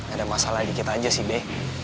ada masalah dikit aja sih be